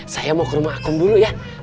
saya mau ke rumah aku dulu ya